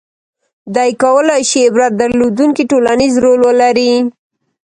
• دې کولای شي عبرت درلودونکی ټولنیز رول ولري.